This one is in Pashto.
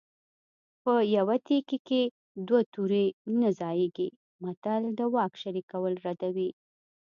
په یوه تیکي کې دوه تورې نه ځاییږي متل د واک شریکول ردوي